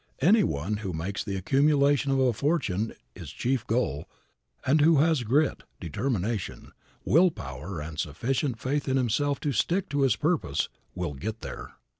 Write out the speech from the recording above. Any one who makes the accumulation of a fortune his chief goal, and who has grit, determination, will power and sufficient faith in himself to stick to his purpose will get there.